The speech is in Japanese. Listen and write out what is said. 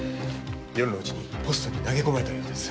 夜のうちにポストに投げ込まれたようです。